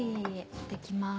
持っていきます。